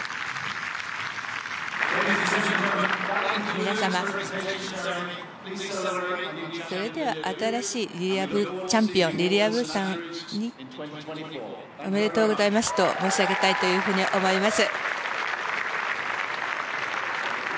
皆様、それでは新しいチャンピオンリリア・ブさんにおめでとうございますと申し上げたいと思います。